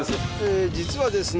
えー実はですね